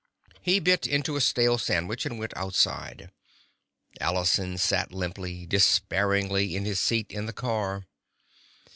He bit into a stale sandwich and went outside. Allison sat limply, despairingly, in his seat in the car.